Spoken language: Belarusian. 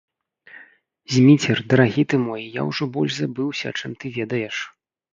Зміцер, дарагі ты мой, я ўжо больш забыўся, чым ты ведаеш.